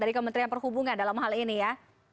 dari kementerian perhubungan dalam hal ini ya